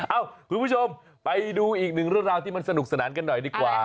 คุณผู้ชมไปดูอีกหนึ่งเรื่องราวที่มันสนุกสนานกันหน่อยดีกว่า